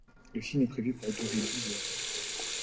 Le film est prévu pour durer douze heures.